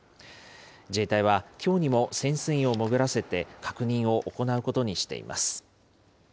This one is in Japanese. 自衛隊は、きょうにも潜水員を潜らせて確認を行うことにしています。